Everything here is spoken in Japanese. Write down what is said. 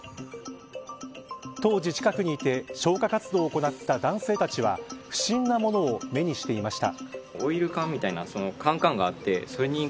当時近くにいて消火活動を行った男性たちは不審なものを目にしていました。